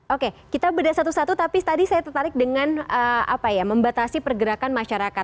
oke kita bedah satu satu tapi tadi saya tertarik dengan apa ya membatasi pergerakan masyarakat